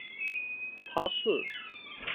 他是制宪国民大会代表。